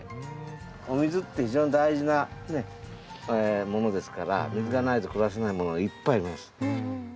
お水って非常に大事なものですから水がないと暮らせないものいっぱい、います。